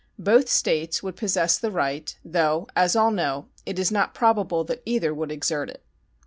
Both States would possess the right, though, as all know, it is not probable that either would exert it.